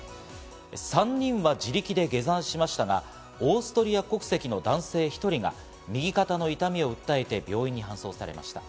３人は自力で下山しましたが、オーストリア国籍の男性１人が右肩の痛みを訴えて病院に搬送されました。